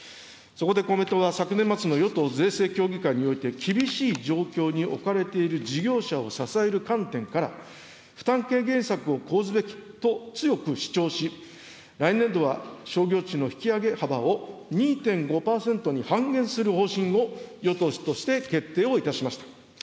そこで公明党は、昨年末の与党税制協議会において、厳しい状況に置かれている事業者を支える観点から、負担軽減策を講ずべきと強く主張し、来年度は商業地の引き上げ幅を２．５％に半減する方針を、与党として決定をいたしました。